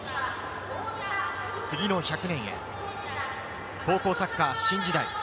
次の１００年へ、高校サッカー新時代。